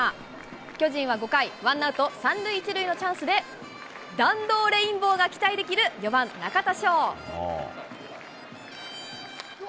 巨人は５回、ワンアウト３塁１塁のチャンスで、弾道レインボーが期待できる４番中田翔。